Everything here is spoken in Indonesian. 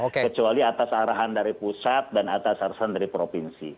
kecuali atas arahan dari pusat dan atas arahan dari provinsi